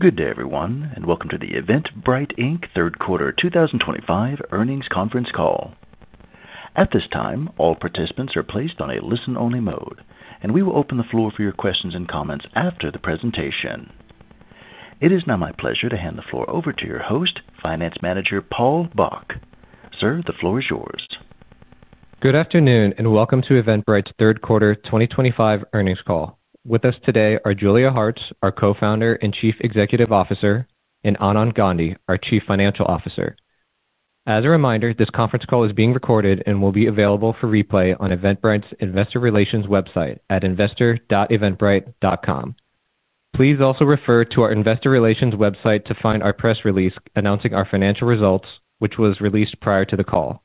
Good day, everyone, and welcome to the Eventbrite Third Quarter 2025 Earnings Conference Call. At this time, all participants are placed on a listen-only mode, and we will open the floor for your questions and comments after the presentation. It is now my pleasure to hand the floor over to your host, Finance Manager Paul Bach. Sir, the floor is yours. Good afternoon, and welcome to Eventbrite's Third Quarter 2025 Earnings Call. With us today are Julia Hartz, our Co-Founder and Chief Executive Officer, and Anand Gandhi, our Chief Financial Officer. As a reminder, this conference call is being recorded and will be available for replay on Eventbrite's investor relations website at investor.eventbrite.com. Please also refer to our investor relations website to find our press release announcing our financial results, which was released prior to the call.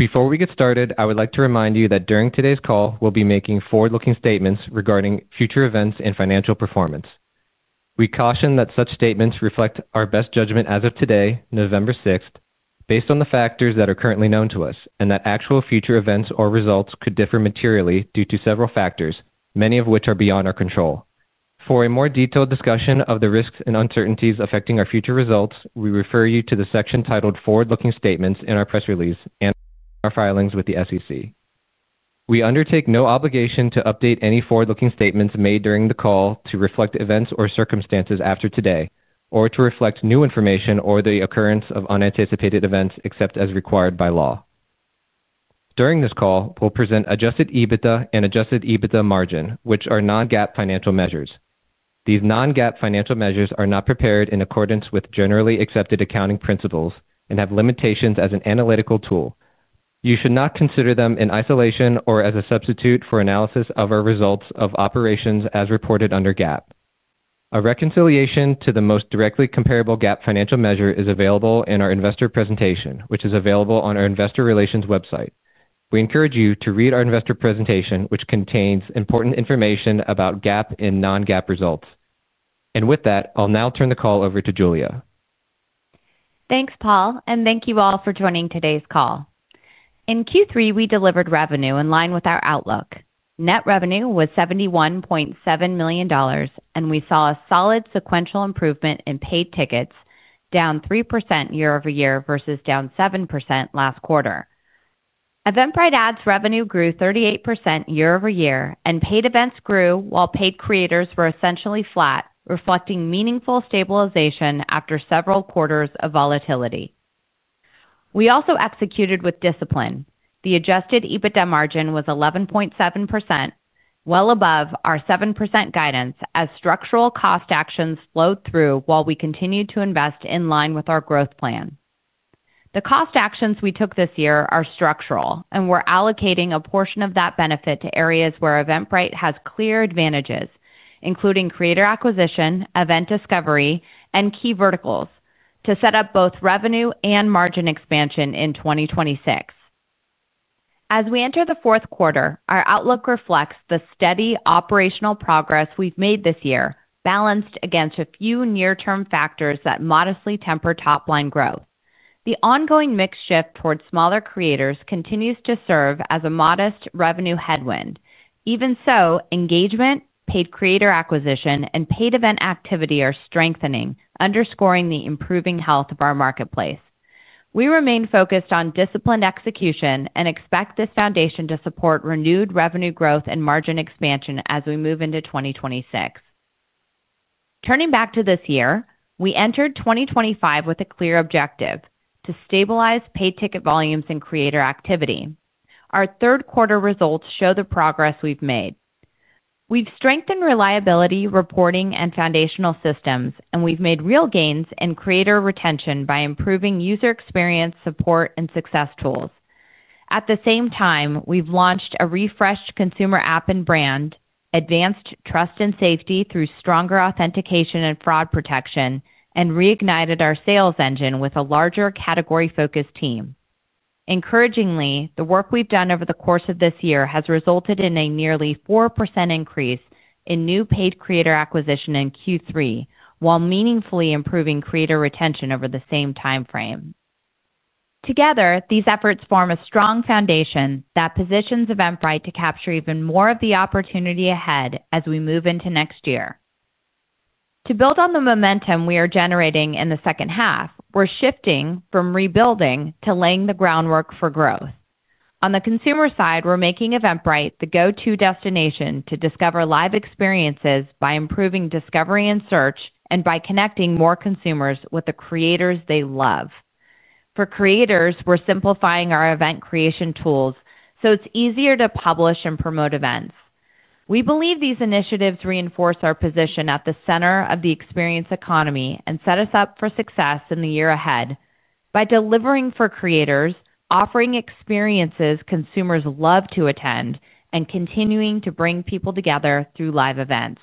Before we get started, I would like to remind you that during today's call, we'll be making forward-looking statements regarding future events and financial performance. We caution that such statements reflect our best judgment as of today, November 6th, based on the factors that are currently known to us, and that actual future events or results could differ materially due to several factors, many of which are beyond our control. For a more detailed discussion of the risks and uncertainties affecting our future results, we refer you to the section titled Forward-Looking Statements in our press release and our filings with the SEC. We undertake no obligation to update any forward-looking statements made during the call to reflect events or circumstances after today, or to reflect new information or the occurrence of unanticipated events except as required by law. During this call, we'll present adjusted EBITDA and adjusted EBITDA margin, which are non-GAAP financial measures. These non-GAAP financial measures are not prepared in accordance with generally accepted accounting principles and have limitations as an analytical tool. You should not consider them in isolation or as a substitute for analysis of our results of operations as reported under GAAP. A reconciliation to the most directly comparable GAAP financial measure is available in our investor presentation, which is available on our investor relations website. We encourage you to read our investor presentation, which contains important information about GAAP and non-GAAP results. With that, I'll now turn the call over to Julia. Thanks, Paul, and thank you all for joining today's call. In Q3, we delivered revenue in line with our outlook. Net revenue was $71.7 million, and we saw a solid sequential improvement in paid tickets, down 3% year-over-year versus down 7% last quarter. Eventbrite Ads revenue grew 38% year-over-year, and paid events grew while paid creators were essentially flat, reflecting meaningful stabilization after several quarters of volatility. We also executed with discipline. The adjusted EBITDA margin was 11.7%, above our 7% guidance as structural cost actions flowed through while we continued to invest in line with our growth plan. The cost actions we took this year are structural, and we're allocating a portion of that benefit to areas where Eventbrite has clear advantages, including creator acquisition, event discovery, and key verticals, to set up both revenue and margin expansion in 2026. As we enter the fourth quarter, our outlook reflects the steady operational progress we've made this year, balanced against a few near-term factors that modestly temper top-line growth. The ongoing mixed shift toward smaller creators continues to serve as a modest revenue headwind. Even so, engagement, paid creator acquisition, and paid event activity are strengthening, underscoring the improving health of our marketplace. We remain focused on disciplined execution and expect this foundation to support renewed revenue growth and margin expansion as we move into 2026. Turning back to this year, we entered 2025 with a clear objective: to stabilize paid ticket volumes and creator activity. Our third-quarter results show the progress we've made. We've strengthened reliability, reporting, and foundational systems, and we've made real gains in creator retention by improving user experience, support, and success tools. At the same time, we've launched a refreshed consumer app and brand, advanced trust and safety through stronger authentication and fraud protection, and reignited our sales engine with a larger category-focused team. Encouragingly, the work we've done over the course of this year has resulted in a nearly 4% increase in new paid creator acquisition in Q3, while meaningfully improving creator retention over the same timeframe. Together, these efforts form a strong foundation that positions Eventbrite to capture even more of the opportunity ahead as we move into next year. To build on the momentum we are generating in the second half, we're shifting from rebuilding to laying the groundwork for growth. On the consumer side, we're making Eventbrite the go-to destination to discover live experiences by improving discovery and search, and by connecting more consumers with the creators they love. For creators, we're simplifying our event creation tools so it's easier to publish and promote events. We believe these initiatives reinforce our position at the center of the experience economy and set us up for success in the year ahead by delivering for creators, offering experiences consumers love to attend, and continuing to bring people together through live events.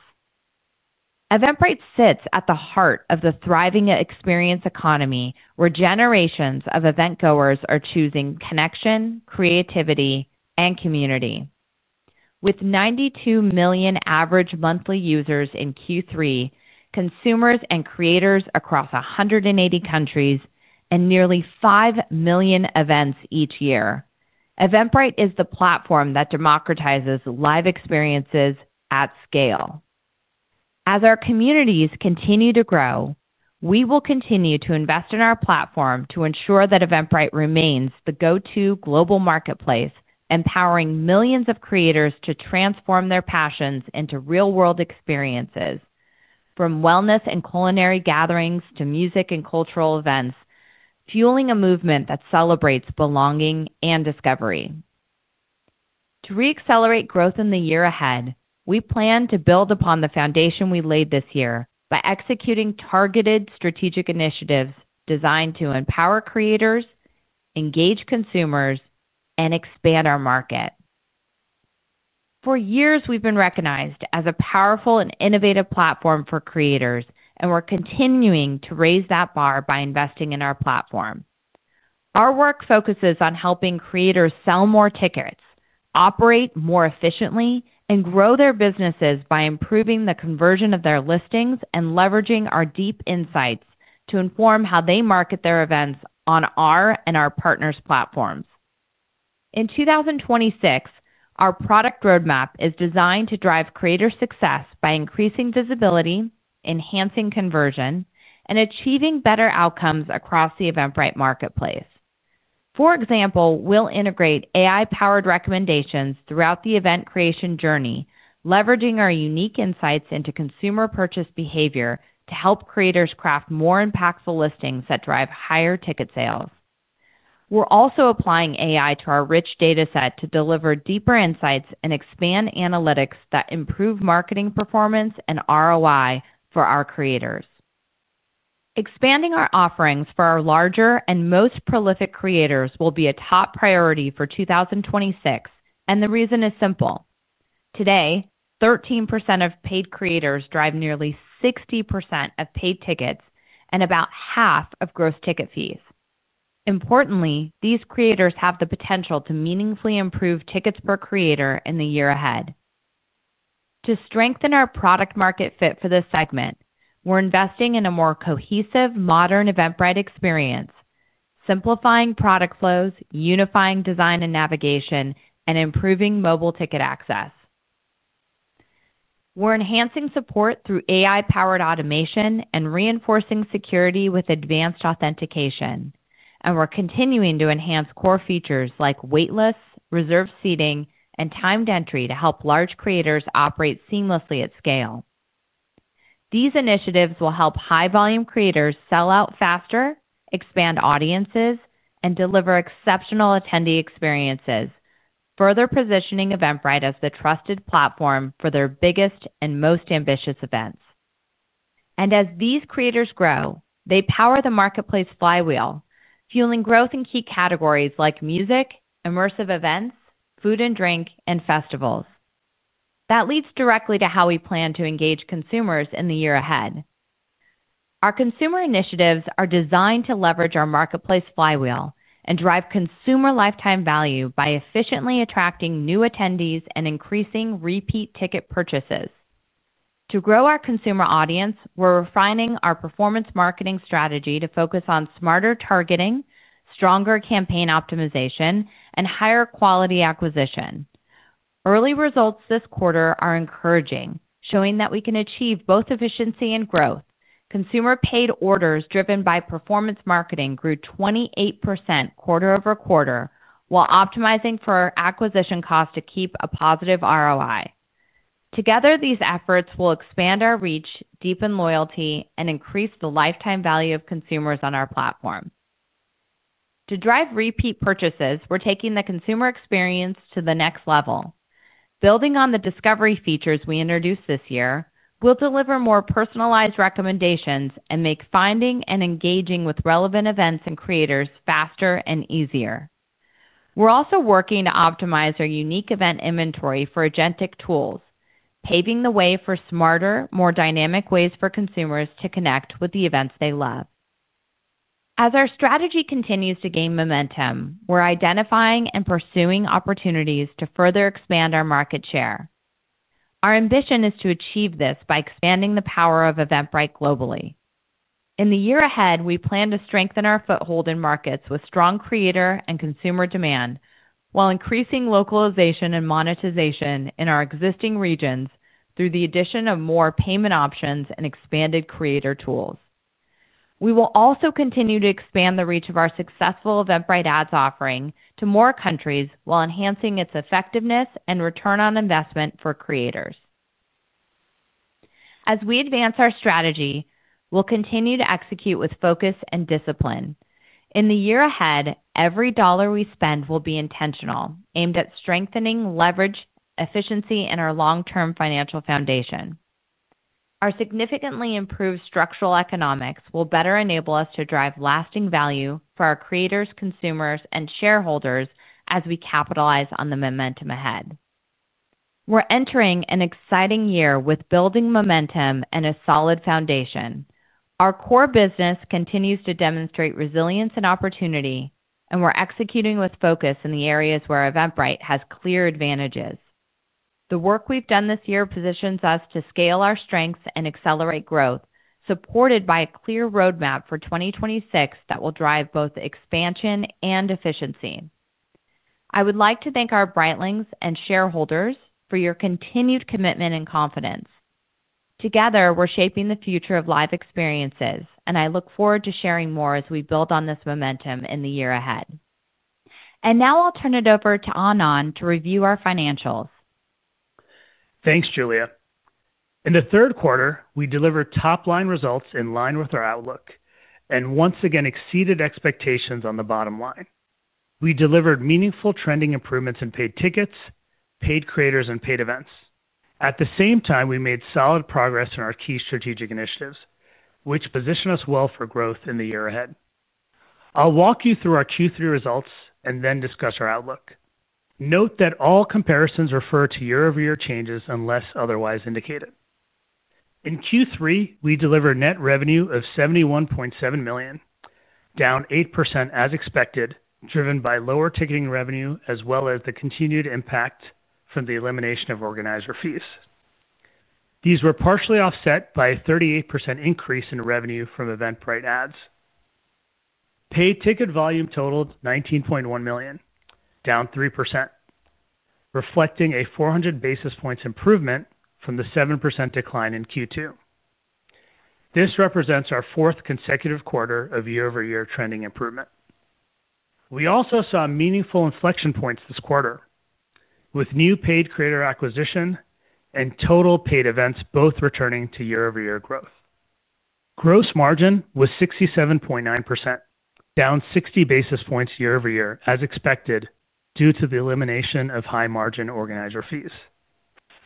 Eventbrite sits at the heart of the thriving experience economy where generations of event-goers are choosing connection, creativity, and community. With 92 million average monthly users in Q3, consumers and creators across 180 countries, and nearly 5 million events each year, Eventbrite is the platform that democratizes live experiences at scale. As our communities continue to grow, we will continue to invest in our platform to ensure that Eventbrite remains the go-to global marketplace, empowering millions of creators to transform their passions into real-world experiences, from wellness and culinary gatherings to music and cultural events, fueling a movement that celebrates belonging and discovery. To re-accelerate growth in the year ahead, we plan to build upon the foundation we laid this year by executing targeted strategic initiatives designed to empower creators, engage consumers, and expand our market. For years, we've been recognized as a powerful and innovative platform for creators, and we're continuing to raise that bar by investing in our platform. Our work focuses on helping creators sell more tickets, operate more efficiently, and grow their businesses by improving the conversion of their listings and leveraging our deep insights to inform how they market their events on our and our partners' platforms. In 2026, our product roadmap is designed to drive creator success by increasing visibility, enhancing conversion, and achieving better outcomes across the Eventbrite marketplace. For example, we'll integrate AI-powered recommendations throughout the event creation journey, leveraging our unique insights into consumer purchase behavior to help creators craft more impactful listings that drive higher ticket sales. We're also applying AI to our rich dataset to deliver deeper insights and expand analytics that improve marketing performance and ROI for our creators. Expanding our offerings for our larger and most prolific creators will be a top priority for 2026, and the reason is simple. Today, 13% of paid creators drive nearly 60% of paid tickets and about half of gross ticket fees. Importantly, these creators have the potential to meaningfully improve tickets per creator in the year ahead. To strengthen our product-market fit for this segment, we're investing in a more cohesive, modern Eventbrite experience, simplifying product flows, unifying design and navigation, and improving mobile ticket access. We're enhancing support through AI-powered automation and reinforcing security with advanced authentication, and we're continuing to enhance core features like waitlist, reserved seating, and timed entry to help large creators operate seamlessly at scale. These initiatives will help high-volume creators sell out faster, expand audiences, and deliver exceptional attendee experiences, further positioning Eventbrite as the trusted platform for their biggest and most ambitious events. As these creators grow, they power the marketplace flywheel, fueling growth in key categories like music, immersive events, food and drink, and festivals. That leads directly to how we plan to engage consumers in the year ahead. Our consumer initiatives are designed to leverage our marketplace flywheel and drive consumer lifetime value by efficiently attracting new attendees and increasing repeat ticket purchases. To grow our consumer audience, we're refining our performance marketing strategy to focus on smarter targeting, stronger campaign optimization, and higher quality acquisition. Early results this quarter are encouraging, showing that we can achieve both efficiency and growth. Consumer paid orders driven by performance marketing grew 28% quarter over quarter while optimizing for acquisition costs to keep a positive ROI. Together, these efforts will expand our reach, deepen loyalty, and increase the lifetime value of consumers on our platform. To drive repeat purchases, we're taking the consumer experience to the next level. Building on the discovery features we introduced this year, we'll deliver more personalized recommendations and make finding and engaging with relevant events and creators faster and easier. We're also working to optimize our unique event inventory for agentic tools, paving the way for smarter, more dynamic ways for consumers to connect with the events they love. As our strategy continues to gain momentum, we're identifying and pursuing opportunities to further expand our market share. Our ambition is to achieve this by expanding the power of Eventbrite globally. In the year ahead, we plan to strengthen our foothold in markets with strong creator and consumer demand while increasing localization and monetization in our existing regions through the addition of more payment options and expanded creator tools. We will also continue to expand the reach of our successful Eventbrite Ads offering to more countries while enhancing its effectiveness and return on investment for creators. As we advance our strategy, we'll continue to execute with focus and discipline. In the year ahead, every dollar we spend will be intentional, aimed at strengthening, leverage, efficiency, and our long-term financial foundation. Our significantly improved structural economics will better enable us to drive lasting value for our creators, consumers, and shareholders as we capitalize on the momentum ahead. We're entering an exciting year with building momentum and a solid foundation. Our core business continues to demonstrate resilience and opportunity, and we're executing with focus in the areas where Eventbrite has clear advantages. The work we've done this year positions us to scale our strengths and accelerate growth, supported by a clear roadmap for 2026 that will drive both expansion and efficiency. I would like to thank our [brightlings] and shareholders for your continued commitment and confidence. Together, we're shaping the future of live experiences, and I look forward to sharing more as we build on this momentum in the year ahead. I will now turn it over to Anand to review our financials. Thanks, Julia. In the third quarter, we delivered top-line results in line with our outlook and once again exceeded expectations on the bottom line. We delivered meaningful trending improvements in paid tickets, paid creators, and paid events. At the same time, we made solid progress in our key strategic initiatives, which position us well for growth in the year ahead. I'll walk you through our Q3 results and then discuss our outlook. Note that all comparisons refer to year-over-year changes unless otherwise indicated. In Q3, we delivered net revenue of $71.7 million, down 8% as expected, driven by lower ticketing revenue as well as the continued impact from the elimination of organizer fees. These were partially offset by a 38% increase in revenue from Eventbrite Ads. Paid ticket volume totaled 19.1 million, down 3%, reflecting a 400 basis points improvement from the 7% decline in Q2. This represents our fourth consecutive quarter of year-over-year trending improvement. We also saw meaningful inflection points this quarter with new paid creator acquisition and total paid events both returning to year-over-year growth. Gross margin was 67.9%, down 60 basis points year-over-year as expected due to the elimination of high-margin organizer fees.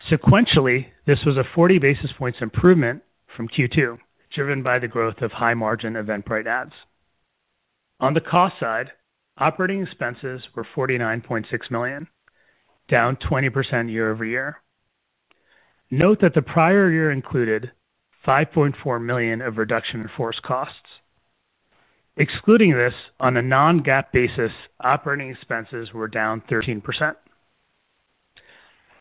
Sequentially, this was a 40 basis points improvement from Q2, driven by the growth of high-margin Eventbrite Ads. On the cost side, operating expenses were $49.6 million, down 20% year-over-year. Note that the prior year included $5.4 million of reduction in force costs. Excluding this, on a non-GAAP basis, operating expenses were down 13%.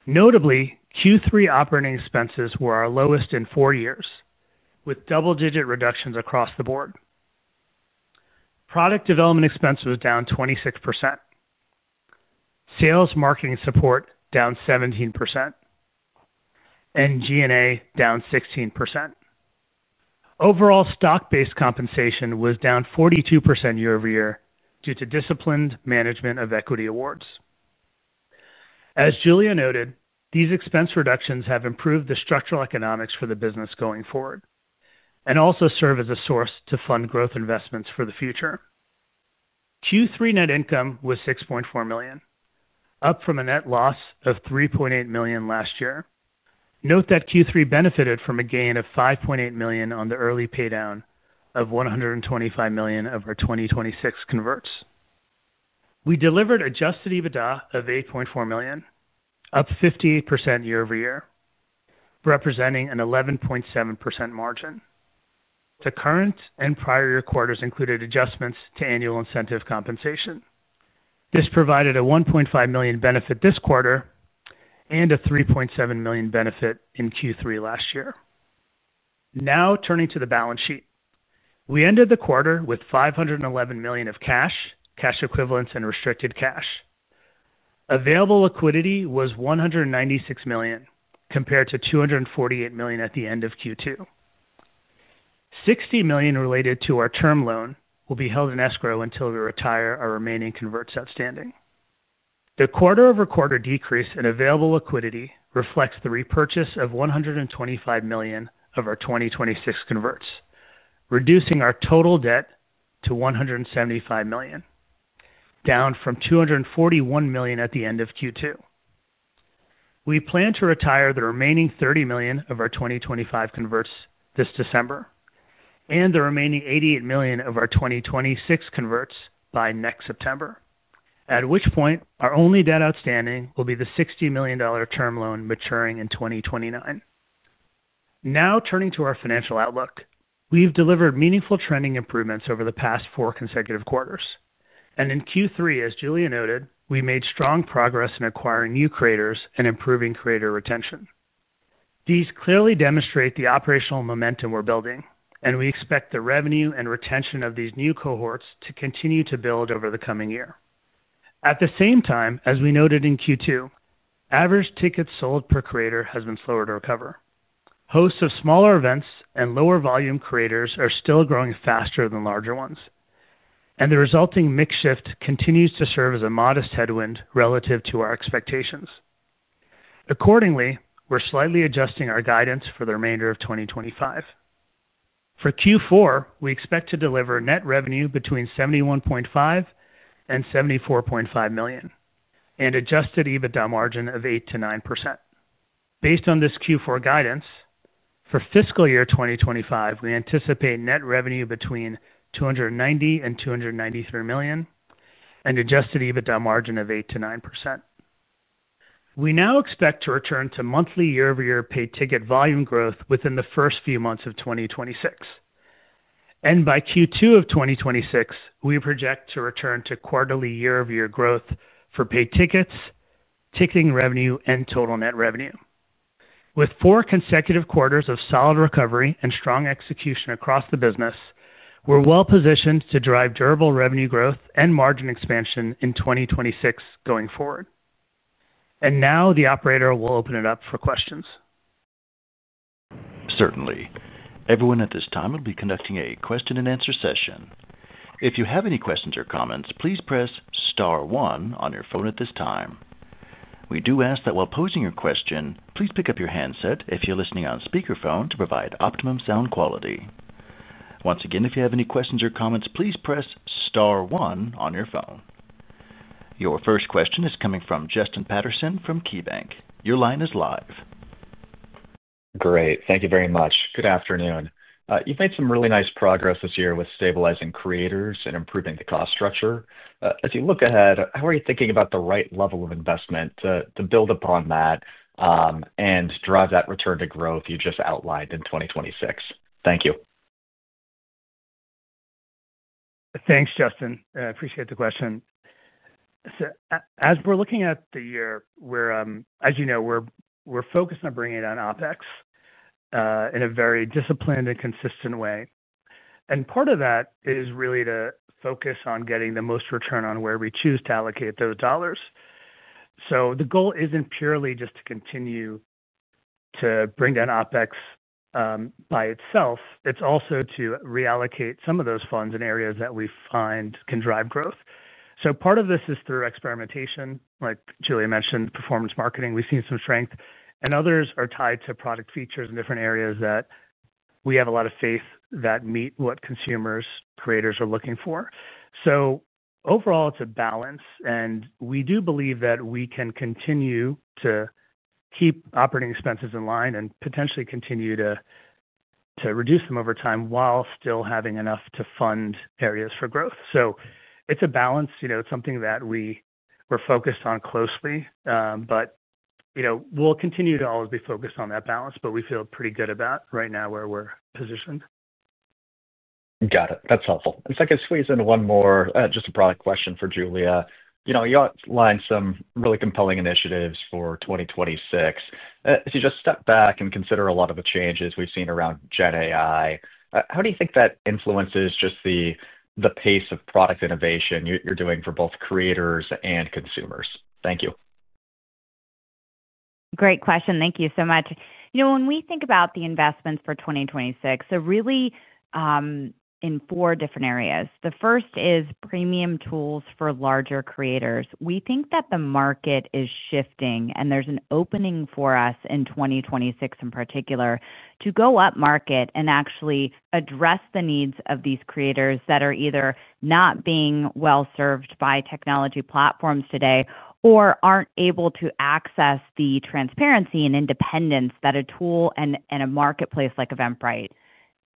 Notably, Q3 operating expenses were our lowest in four years, with double-digit reductions across the board. Product development expense was down 26%. Sales marketing support down 17%. And G&A down 16%. Overall stock-based compensation was down 42% year-over-year due to disciplined management of equity awards. As Julia noted, these expense reductions have improved the structural economics for the business going forward and also serve as a source to fund growth investments for the future. Q3 net income was $6.4 million, up from a net loss of $3.8 million last year. Note that Q3 benefited from a gain of $5.8 million on the early paydown of $125 million of our 2026 converts. We delivered adjusted EBITDA of $8.4 million, up 58% year-over-year, representing an 11.7% margin. The current and prior year quarters included adjustments to annual incentive compensation. This provided a $1.5 million benefit this quarter and a $3.7 million benefit in Q3 last year. Now turning to the balance sheet, we ended the quarter with $511 million of cash, cash equivalents, and restricted cash. Available liquidity was $196 million compared to $248 million at the end of Q2. $60 million related to our term loan will be held in escrow until we retire our remaining converts outstanding. The quarter-over-quarter decrease in available liquidity reflects the repurchase of $125 million of our 2026 converts, reducing our total debt to $175 million, down from $241 million at the end of Q2. We plan to retire the remaining $30 million of our 2025 converts this December. The remaining $88 million of our 2026 converts will be retired by next September. At that point, our only debt outstanding will be the $60 million term loan maturing in 2029. Now turning to our financial outlook, we've delivered meaningful trending improvements over the past four consecutive quarters. In Q3, as Julia noted, we made strong progress in acquiring new creators and improving creator retention. These clearly demonstrate the operational momentum we're building, and we expect the revenue and retention of these new cohorts to continue to build over the coming year. At the same time, as we noted in Q2, average tickets sold per creator has been slower to recover. Hosts of smaller events and lower volume creators are still growing faster than larger ones, and the resulting mix shift continues to serve as a modest headwind relative to our expectations. Accordingly, we're slightly adjusting our guidance for the remainder of 2025. For Q4, we expect to deliver net revenue between $71.5 million and $74.5 million and adjusted EBITDA margin of 8%-9%. Based on this Q4 guidance, for fiscal year 2025, we anticipate net revenue between $290 million and $293 million and adjusted EBITDA margin of 8%-9%. We now expect to return to monthly year-over-year paid ticket volume growth within the first few months of 2026. By Q2 of 2026, we project to return to quarterly year-over-year growth for paid tickets, ticketing revenue, and total net revenue. With four consecutive quarters of solid recovery and strong execution across the business, we are well positioned to drive durable revenue growth and margin expansion in 2026 going forward. The operator will now open it up for questions. Certainly. Everyone at this time will be conducting a question-and-answer session. If you have any questions or comments, please press star one on your phone at this time. We do ask that while posing your question, please pick up your handset if you're listening on speakerphone to provide optimum sound quality. Once again, if you have any questions or comments, please press star one on your phone. Your first question is coming from Justin Patterson from KeyBank. Your line is live. Great. Thank you very much. Good afternoon. You've made some really nice progress this year with stabilizing creators and improving the cost structure. As you look ahead, how are you thinking about the right level of investment to build upon that and drive that return to growth you just outlined in 2026? Thank you. Thanks, Justin. I appreciate the question. As we're looking at the year, as you know, we're focused on bringing in OpEx in a very disciplined and consistent way. Part of that is really to focus on getting the most return on where we choose to allocate those dollars. The goal isn't purely just to continue to bring down OpEx by itself. It's also to reallocate some of those funds in areas that we find can drive growth. Part of this is through experimentation, like Julia mentioned, performance marketing. We've seen some strength. Others are tied to product features in different areas that we have a lot of faith that meet what consumers, creators are looking for. Overall, it's a balance. We do believe that we can continue to keep operating expenses in line and potentially continue to. Reduce them over time while still having enough to fund areas for growth. It is a balance. It is something that we were focused on closely. We will continue to always be focused on that balance, but we feel pretty good about right now where we are positioned. Got it. That's helpful. I'd like to squeeze in one more, just a broad question for Julia. You outlined some really compelling initiatives for 2026. If you just step back and consider a lot of the changes we've seen around GenAI, how do you think that influences just the pace of product innovation you're doing for both creators and consumers? Thank you. Great question. Thank you so much. When we think about the investments for 2026, really in four different areas. The first is premium tools for larger creators. We think that the market is shifting, and there's an opening for us in 2026 in particular to go upmarket and actually address the needs of these creators that are either not being well-served by technology platforms today or aren't able to access the transparency and independence that a tool and a marketplace like Eventbrite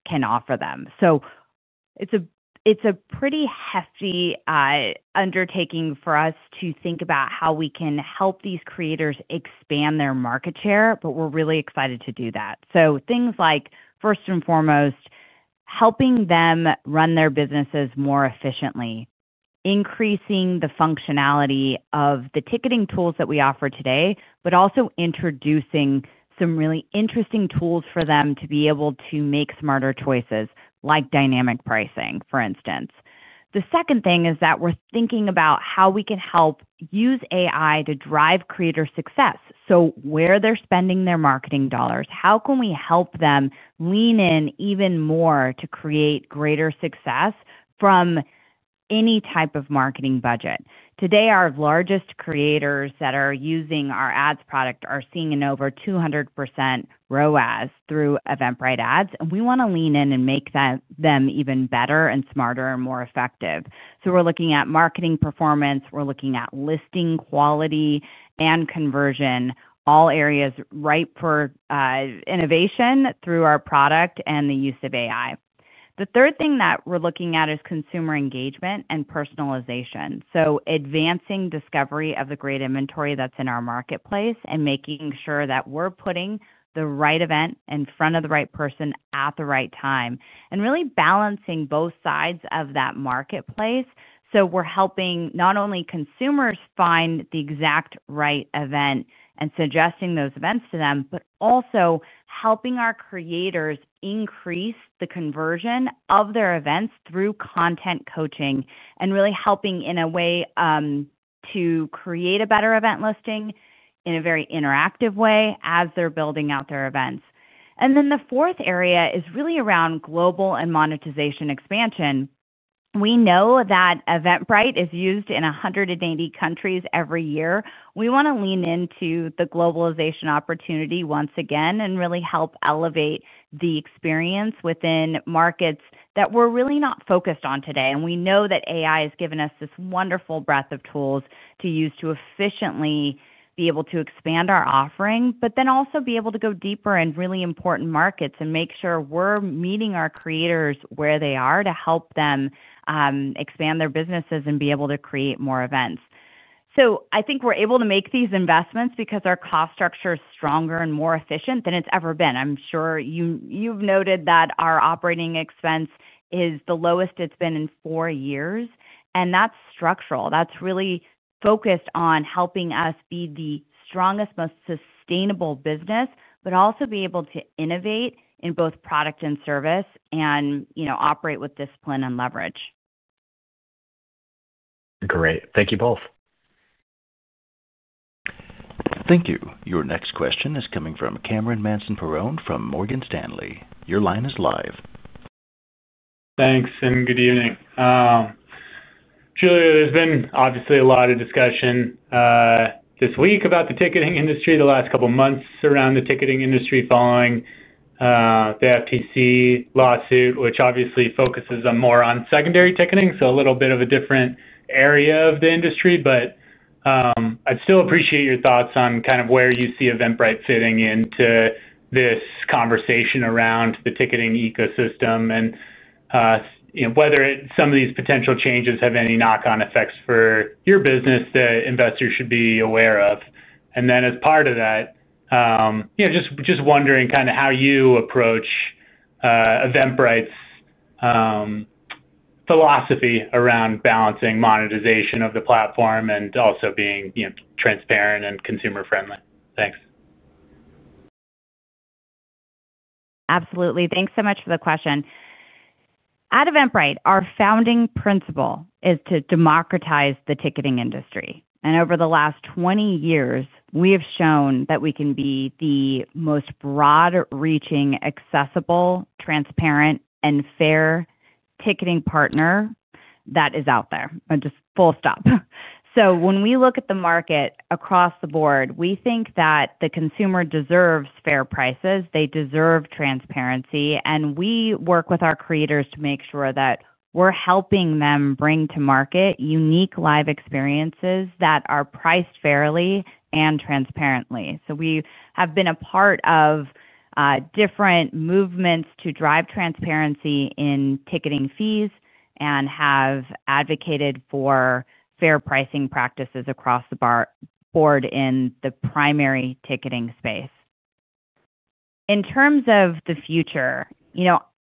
can offer them. It is a pretty hefty undertaking for us to think about how we can help these creators expand their market share, but we're really excited to do that. Things like, first and foremost, helping them run their businesses more efficiently, increasing the functionality of the ticketing tools that we offer today, but also introducing some really interesting tools for them to be able to make smarter choices, like dynamic pricing, for instance. The second thing is that we're thinking about how we can help use AI to drive creator success. Where they're spending their marketing dollars, how can we help them lean in even more to create greater success from any type of marketing budget? Today, our largest creators that are using our ads product are seeing an over 200% ROAS through Eventbrite Ads, and we want to lean in and make them even better and smarter and more effective. We're looking at marketing performance. We're looking at listing quality and conversion, all areas ripe for innovation through our product and the use of AI. The third thing that we're looking at is consumer engagement and personalization. Advancing discovery of the great inventory that's in our marketplace and making sure that we're putting the right event in front of the right person at the right time and really balancing both sides of that marketplace. We're helping not only consumers find the exact right event and suggesting those events to them, but also helping our creators increase the conversion of their events through content coaching and really helping in a way to create a better event listing in a very interactive way as they're building out their events. The fourth area is really around global and monetization expansion. We know that Eventbrite is used in 180 countries every year. We want to lean into the globalization opportunity once again and really help elevate the experience within markets that we're really not focused on today. We know that AI has given us this wonderful breadth of tools to use to efficiently be able to expand our offering, but then also be able to go deeper in really important markets and make sure we're meeting our creators where they are to help them expand their businesses and be able to create more events. I think we're able to make these investments because our cost structure is stronger and more efficient than it's ever been. I'm sure you've noted that our operating expense is the lowest it's been in four years. That's structural. That's really focused on helping us be the strongest, most sustainable business, but also be able to innovate in both product and service and operate with discipline and leverage. Great. Thank you both. Thank you. Your next question is coming from Cameron Mansson-Perrone from Morgan Stanley. Your line is live. Thanks, and good evening. Julia, there's been obviously a lot of discussion this week about the ticketing industry, the last couple of months around the ticketing industry following the FTC lawsuit, which obviously focuses more on secondary ticketing. A little bit of a different area of the industry. I'd still appreciate your thoughts on kind of where you see Eventbrite fitting into this conversation around the ticketing ecosystem and whether some of these potential changes have any knock-on effects for your business that investors should be aware of. As part of that, just wondering kind of how you approach Eventbrite's philosophy around balancing monetization of the platform and also being transparent and consumer-friendly. Thanks. Absolutely. Thanks so much for the question. At Eventbrite, our founding principle is to democratize the ticketing industry. Over the last 20 years, we have shown that we can be the most broad-reaching, accessible, transparent, and fair ticketing partner that is out there. Just full stop. When we look at the market across the board, we think that the consumer deserves fair prices. They deserve transparency. We work with our creators to make sure that we're helping them bring to market unique live experiences that are priced fairly and transparently. We have been a part of different movements to drive transparency in ticketing fees and have advocated for fair pricing practices across the board in the primary ticketing space. In terms of the future,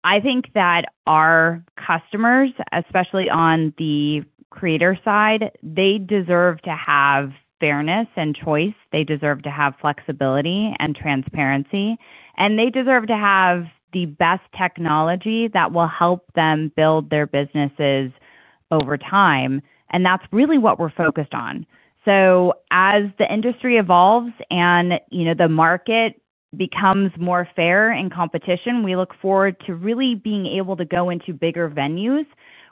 I think that our customers, especially on the creator side, they deserve to have fairness and choice. They deserve to have flexibility and transparency. They deserve to have the best technology that will help them build their businesses over time. That is really what we are focused on. As the industry evolves and the market becomes more fair in competition, we look forward to really being able to go into bigger venues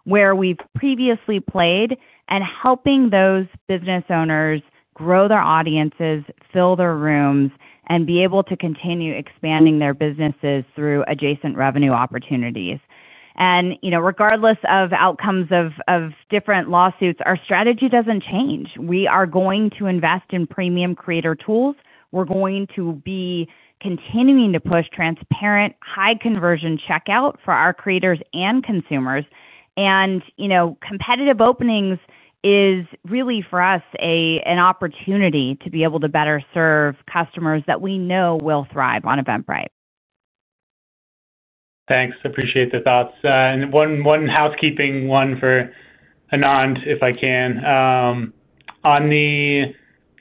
where we have previously played and helping those business owners grow their audiences, fill their rooms, and be able to continue expanding their businesses through adjacent revenue opportunities. Regardless of outcomes of different lawsuits, our strategy does not change. We are going to invest in premium creator tools. We are going to be continuing to push transparent, high-conversion checkout for our creators and consumers. Competitive openings is really, for us, an opportunity to be able to better serve customers that we know will thrive on Eventbrite. Thanks. Appreciate the thoughts. One housekeeping one for Anand, if I can. On the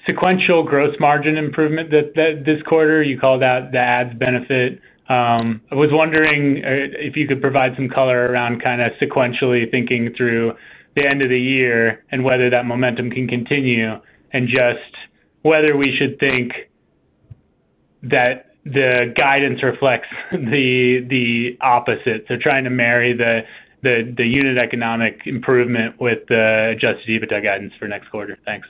sequential gross margin improvement this quarter, you called out the ads benefit. I was wondering if you could provide some color around kind of sequentially thinking through the end of the year and whether that momentum can continue and just whether we should think that the guidance reflects the opposite. Trying to marry the unit economic improvement with the adjusted EBITDA guidance for next quarter. Thanks.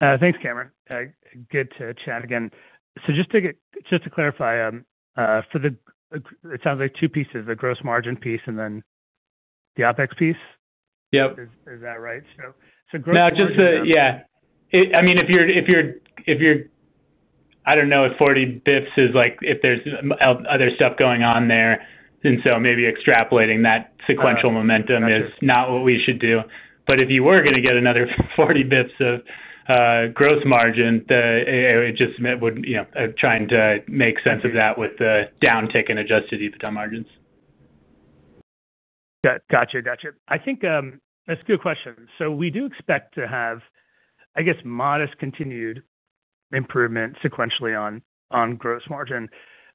Thanks, Cameron. Good to chat again. Just to clarify, it sounds like two pieces, the gross margin piece and then the OpEx piece. Yep. Is that right? So gross margin. No, just the, yeah. I mean, if you're. I don't know if 40 basis points is like if there's other stuff going on there. And so maybe extrapolating that sequential momentum is not what we should do. But if you were going to get another 40 basis points of. Gross margin, it just would trying to make sense of that with the downtick in adjusted EBITDA margins. Gotcha. Gotcha. I think that's a good question. We do expect to have, I guess, modest continued improvement sequentially on gross margin,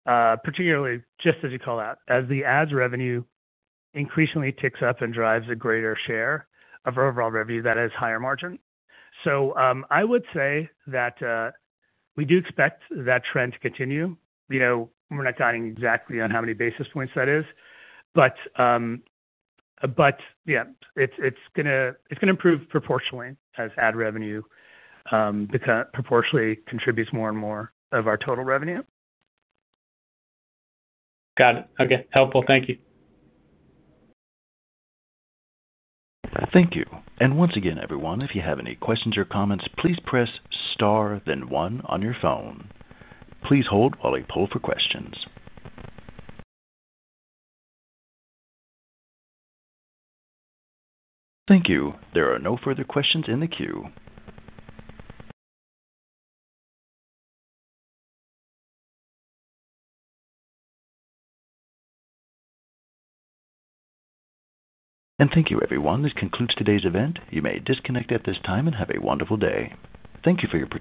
particularly just as you call out, as the ads revenue increasingly ticks up and drives a greater share of our overall revenue that has higher margin. I would say that. We do expect that trend to continue. We're not counting exactly on how many basis points that is. Yeah, it's going to improve proportionally as ad revenue proportionally contributes more and more of our total revenue. Got it. Okay. Helpful. Thank you. Thank you. Once again, everyone, if you have any questions or comments, please press star, then one on your phone. Please hold while I pull for questions. Thank you. There are no further questions in the queue. Thank you, everyone. This concludes today's event. You may disconnect at this time and have a wonderful day. Thank you for your time.